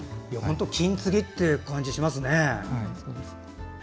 金継ぎって感じがしますね。